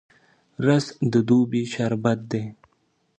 رس د دوبي شربت دی